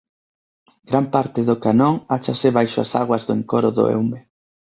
Gran parte do canón áchase baixo as augas do encoro do Eume.